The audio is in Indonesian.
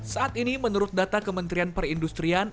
saat ini menurut data kementerian perindustrian